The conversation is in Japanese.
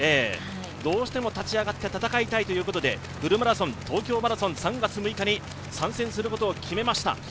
どうしても、立ち上がって戦いたいということでフルマラソン、東京マラソン、３月６日に参戦することを決めました。